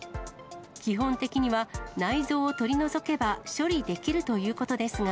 基本的には内臓を取り除けば処理できるということですが。